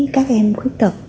các em khuyết tật